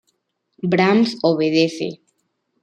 Brahms obedece.